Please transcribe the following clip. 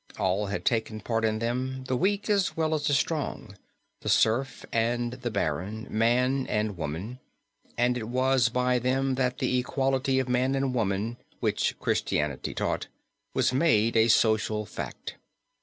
All had taken part in them, the weak as well as the strong, the serf and the baron, man and woman, and it was by them that the equality of man and woman, which Christianity taught, was made a social fact.